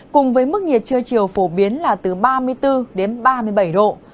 cùng với mức nhiệt trưa chiều phổ biến là từ ba mươi bốn đến ba mươi bảy độ